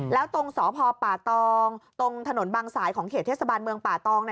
แล้วตรงสพป่าตองตรงถนนบางสายของเขตเทศบาลเมืองป่าตอง